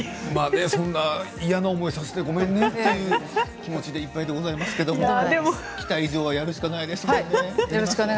そんな嫌な思いさせてごめんねっていう気持ちでいっぱいですけれども来た以上はやるしかないですね。